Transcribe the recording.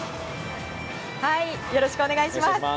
よろしくお願いします。